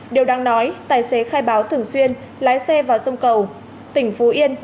điều đáng nói tài xế khai báo thường xuyên lái xe vào sông cầu tỉnh phú yên